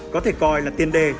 có thể coi là tiên đề